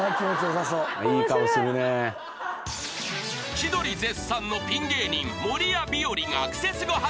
［千鳥絶賛のピン芸人守谷日和が『クセスゴ』初登場］